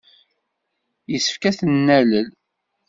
Yessefk ad ten-nalel.